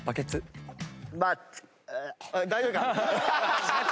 大丈夫か？